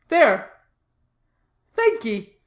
There!" "Thank ee.